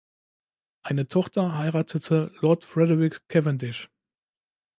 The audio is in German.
Eine Tochter heiratete Lord Frederick Cavendish.